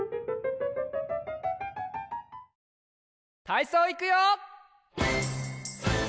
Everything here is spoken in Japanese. たいそういくよ！